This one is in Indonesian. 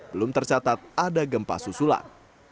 belum tercatat ada gempa susulan